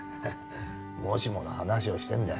もしもの話をしてんだよ。